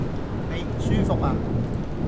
你唔舒服呀？